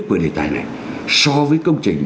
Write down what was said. của đề tài này so với công trình